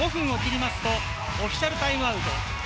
この後、５分を切りますと、オフィシャルタイムアウト。